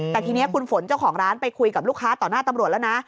แต่ทีนี้คุณฝนเจ้าของร้านไปคุยกับลูกค้าต่อหน้าตำรวจแล้วนะ